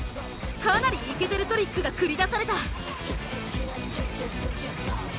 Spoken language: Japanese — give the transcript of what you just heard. かなりイケてるトリックが繰り出された。